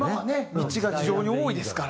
道が非常に多いですから。